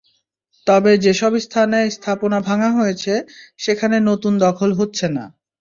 তবে যেসব স্থানে স্থাপনা ভাঙা হয়েছে, সেখানে নতুন দখল হচ্ছে না।